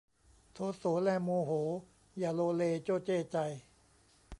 โทโสแลโมโห อย่าโลเลโจ้เจ้ใจ